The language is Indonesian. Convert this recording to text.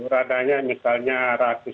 radanya misalnya rakis